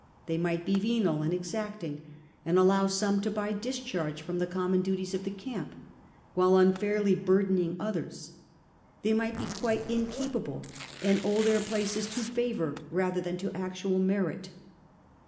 They might be venal and exacting, and allow some to buy discharge from the com mon duties of the camp, while unfairly burdening others. They might be quite incapable and owe their places to favour rather than to actual merit.